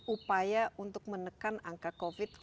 upaya untuk menekan angka covid